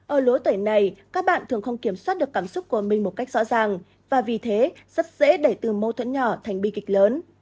ở lứa tẩy này các bạn thường không kiểm soát được cảm xúc của mình một cách rõ ràng và vì thế rất dễ đẩy từ mâu thuẫn nhỏ thành bi kịch lớn